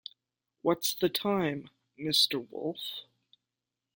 What's the time, Mr Wolf?